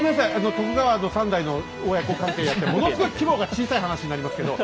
徳川の３代の親子関係やってものすごい規模が小さい話になりますけど。